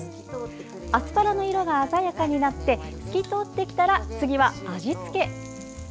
アスパラの色が鮮やかになって透き通ってきたら、次は味付け。